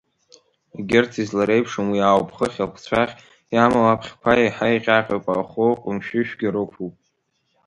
Егьырҭ излареиԥшым уи ауп, хыхь ақәцәахь иамоу абӷьқәа еиҳа иҟьаҟьоуп, ахәы ҟәымшәышәгьы рықәуп.